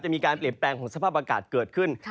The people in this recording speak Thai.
มีการเปลี่ยนแปลงของสภาพอากาศเกิดขึ้น